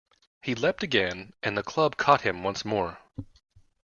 He leapt again, and the club caught him once more.